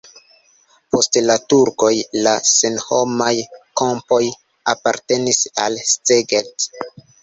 Post la turkoj la senhomaj kampoj apartenis al Szeged.